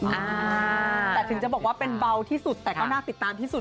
แต่ถึงจะบอกว่าเป็นเบาที่สุดแต่ก็น่าติดตามที่สุด